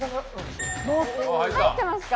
入ってますか？